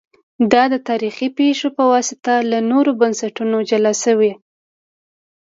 دا د تاریخي پېښو په واسطه له نورو بنسټونو جلا شوي